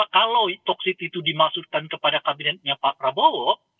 kalau toksit itu dimaksudkan kepada kabinetnya pak prabowo